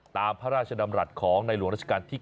ตามพระราชดำรัฐของในหลวงราชการที่๙